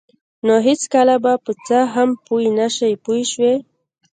نو هېڅکله به په څه هم پوه نشئ پوه شوې!.